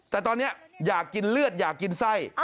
แต่ตอนนี้อยากกินเลือดอยากกินไส้